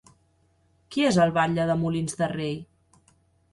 Qui és el batlle de Molins de Rei?